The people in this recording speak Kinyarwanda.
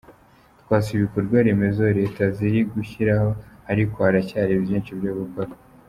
Twasuye ibikorwaremezo leta ziri gushyiraho ariko haracyari byinshi byo gukora.